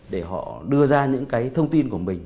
để họ đưa ra những cái thông tin của mình